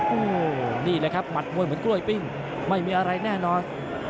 โอ้โหนี่แหละครับหมัดมวยเหมือนกล้วยปิ้งไม่มีอะไรแน่นอน